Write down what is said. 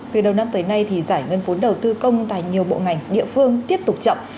từ đầu năm tới nay thì giải ngân vốn đầu tư công tại nhiều bộ ngành địa phương tiếp tục chậm